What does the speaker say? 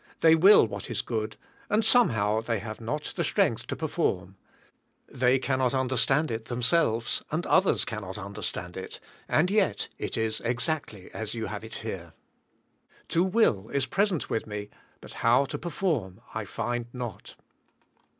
They will what is good, and somehow they have not the strength to 174 THE SPIRITUAL LIFE. perform. They cannot understand it themselves, and others cannot understand it, and yet it is exactly as you have it here. "To will is present with me, but how to perform I find not."